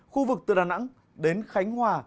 khu vực từ đà nẵng đến khánh hòa